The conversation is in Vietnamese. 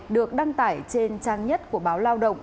được đăng tải trên trang nhất của báo lao động